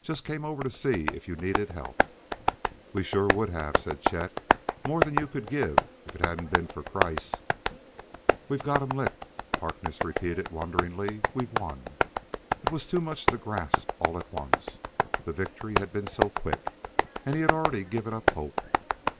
Just came over to see if you needed help." "We sure would have," said Chet; "more than you could give if it hadn't been for Kreiss." "We've got 'em licked!" Harkness repeated wonderingly; "we've won!" It was too much to grasp all at once. The victory had been so quick, and he had already given up hope.